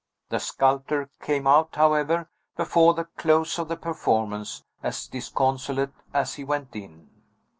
The sculptor came out, however, before the close of the performance, as disconsolate as he went in.